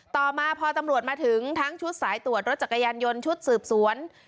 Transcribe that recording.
ต่อมาพอตำรวจมาถึงทั้งชุดสายตรวจรถจักรยานยนต์ชุดสืบสวน